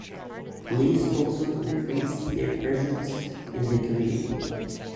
Police also increased their presence in the community.